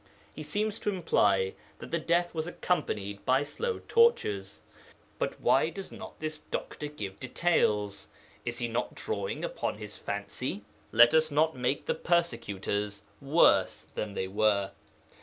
He seems to imply that the death was accompanied by slow tortures. But why does not this doctor give details? Is he not drawing upon his fancy? Let us not make the persecutors worse than they were.